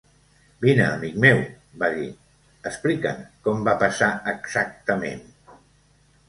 "Vine amic meu", va dir. "Explica'ns com va passar exactament".